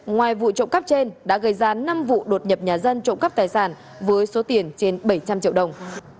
ngoài vụ trộm cắp trên đã gây ra năm vụ đột nhập nhà dân trộm cắp tài sản với số tiền trên bảy trăm linh triệu đồng